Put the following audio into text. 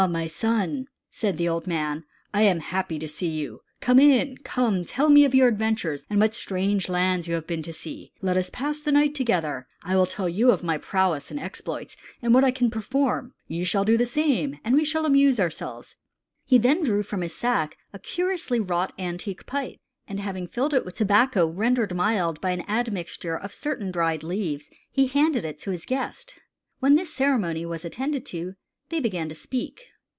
my son," said the old man, "I am happy to see you. Come in. Come, tell me of your adventures, and what strange lands you have been to see. Let us pass the night together. I will tell you of my prowess and exploits, and what I can perform. You shall do the same, and we will amuse ourselves." He then drew from his sack a curiously wrought antique pipe, and having filled it with tobacco rendered mild by an admixture of certain dried leaves, he handed it to his guest. "When this ceremony was attended to, they began to speak.